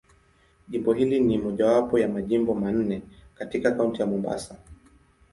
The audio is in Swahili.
Jimbo hili ni mojawapo ya Majimbo manne katika Kaunti ya Mombasa.